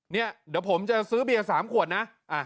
เนี่ยเดี๋ยวผมจะซื้อเบียร์๓ขวดนะ